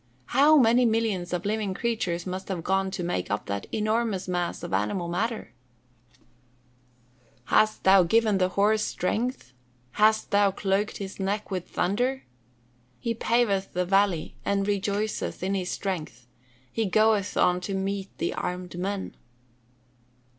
How many millions of living creatures must have gone to make up that enormous mass of animal matter! [Verse: "Hast thou given the horse strength? hast thou clothed his neck with thunder? He paveth the valley, and rejoiceth in his strength: he goeth on to meet the armed men."